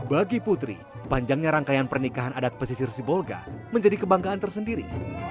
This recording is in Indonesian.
bagi putri panjangnya rangkaian pernikahan adat pesisir sibolga menjadi kebanggaan tersendiri